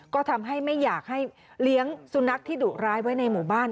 ก็ทำให้ไม่อยากให้เลี้ยงสุนัขที่ดุร้ายไว้ในหมู่บ้าน